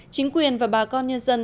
chính quyền và bà con nhân dân